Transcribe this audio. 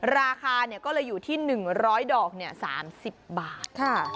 ราคาก็เลยอยู่ที่๑๐๐ดอก๓๐บาท